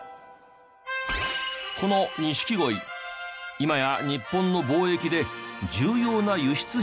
この錦鯉今や日本の貿易で重要な輸出品の一つ。